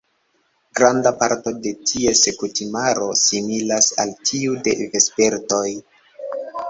Granda parto de ties kutimaro similas al tiu de vespertoj.